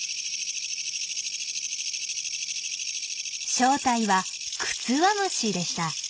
正体はクツワムシでした。